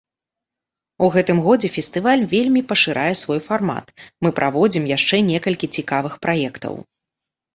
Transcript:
У гэтым годзе фестываль вельмі пашырае свой фармат, мы праводзім яшчэ некалькі цікавых праектаў.